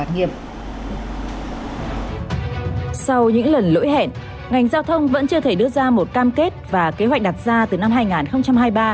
sau những lần lỗi hẹn ngành giao thông vẫn chưa thể đưa ra một cam kết và kế hoạch đặt ra từ năm hai nghìn hai mươi ba